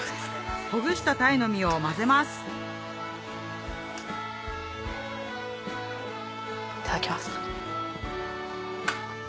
ほぐした鯛の身を混ぜますいただきます。